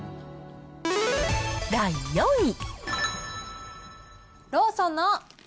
第４位。